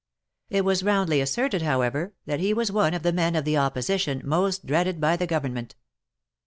It was roundly asserted, however, that he was one of the men of the Opposition most dreaded by the government.